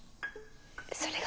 それが。